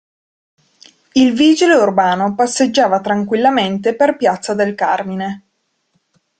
Il vigile urbano passeggiava tranquillamente per Piazza del Carmine.